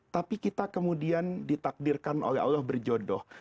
tapi kita kemudian ditakdirkan oleh allah berjodoh